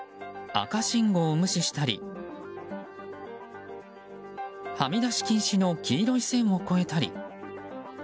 赤信号を無視したりはみ出し禁止の黄色い線を越えたり。